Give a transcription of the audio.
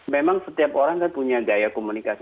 memang setiap orang kan punya gaya komunikasi